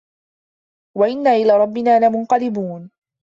وَإِنّا إِلى رَبِّنا لَمُنقَلِبونَ